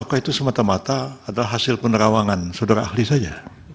apakah itu semata mata adalah hasil penerawangan saudara ahli saja